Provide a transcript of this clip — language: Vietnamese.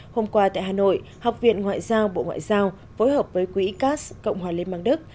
hôm qua tại hà nội học viện ngoại giao bộ ngoại giao phối hợp với quỹ cas cộng hòa liên bang đức